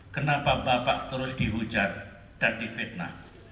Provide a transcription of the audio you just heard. kenapa bapak terus dihujat dan difitnah